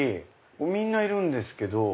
みんないるんですけど。